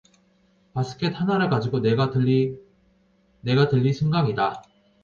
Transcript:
바스켓 하나를 가지고 네가 들리 내가 들리 승강이다.